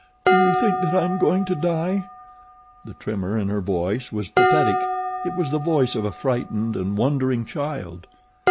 "Do you think that I am going to die?" The tremor in her voice was pathetic it was the voice of a frightened and wondering child.